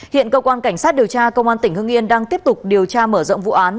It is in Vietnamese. hiện cơ quan cảnh sát điều tra công an tỉnh hưng yên đang tiếp tục điều tra mở rộng vụ án